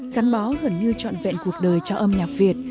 gắn bó gần như trọn vẹn cuộc đời cho âm nhạc việt